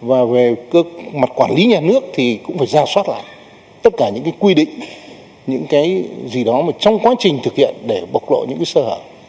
và về mặt quản lý nhà nước thì cũng phải rao soát lại tất cả những quy định những cái gì đó mà trong quá trình thực hiện để bộc lộ những sở hợp